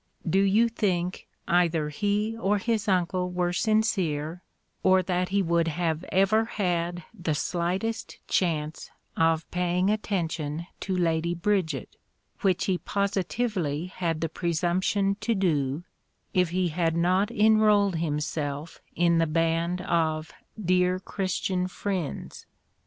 Do you think either he or his uncle were sincere, or that he would have ever had the slightest chance of paying attention to Lady Bridget, which he positively had the presumption to do, if he had not enrolled himself in the band of "dear Christian friends"?